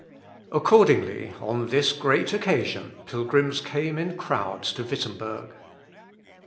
Accordingly, on this great occasion, pilgrims came in crowds to Wittemberg.